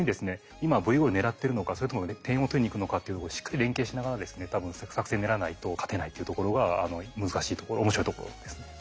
今Ｖゴール狙ってるのかそれとも点を取りにいくのかっていうところをしっかり連携しながらですね多分作戦練らないと勝てないっていうところが難しいところ面白いところですね。